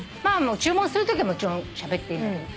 注文するときはもちろんしゃべっていいんだけど。